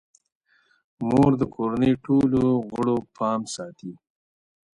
مور د کورنۍ ټولو غړو پام ساتي.